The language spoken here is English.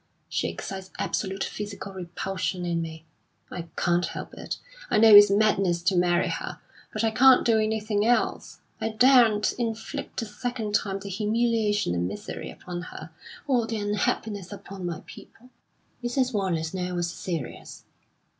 She excites absolute physical repulsion in me; I can't help it. I know it's madness to marry her, but I can't do anything else. I daren't inflict a second time the humiliation and misery upon her, or the unhappiness upon my people." Mrs. Wallace now was serious.